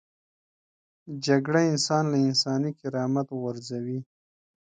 جګړه انسان له انساني کرامت غورځوي